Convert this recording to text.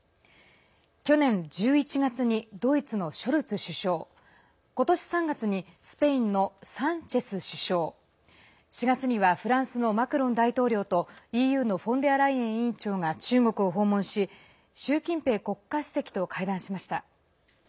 去年１１月にドイツのショルツ首相今年３月にスペインのサンチェス首相４月にはフランスのマクロン大統領とＥＵのフォンデアライエン委員長が中国を訪問し習近平国家主席と会談しました。